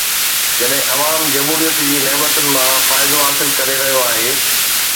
جڏهن عوام جمهوريت جي نعمتن مان فائدو حاصل ڪري رهيو آهي.